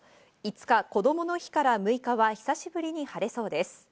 ５日、こどもの日から６日は久しぶりに晴れそうです。